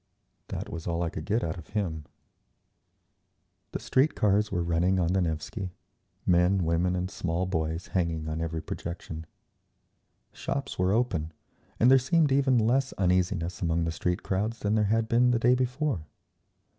That was all I could get out of him…. The street cars were running on the Nevsky, men, women and small boys hanging on every projection. Shops were open, and there seemed even less uneasiness among the street crowds than there had been the day before.